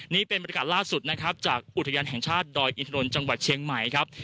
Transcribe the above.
นี่เป็นบรรยากาศล่าสุดนะครับจากอุทยานแห่งชาติดอยอินทนนท์จังหวัดเชียงใหม่ครับ